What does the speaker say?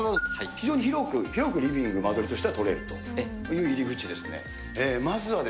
非常に広く、広くリビング、間取りとしては取れるという入り口ですね。